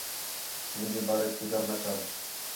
مینجے باریک فِکر نہ کر